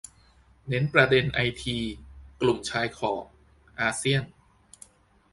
เน้นประเด็นไอที-กลุ่มชายขอบ-อาเซียน